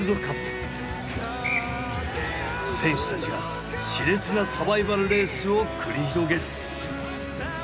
選手たちがしれつなサバイバルレースを繰り広げる。